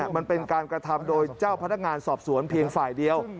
มันเป็นการกระทำโดยเจ้าพนักงานสอบสวนเพียงฝ่ายเดียว